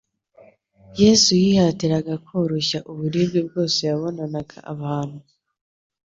Yesu yihatiraga koroshya uburibwe bwose yabonanaga abantu.